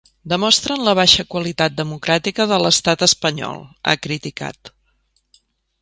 Demostren la baixa qualitat democràtica de l’estat espanyol, ha criticat.